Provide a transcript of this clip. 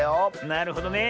なるほどね。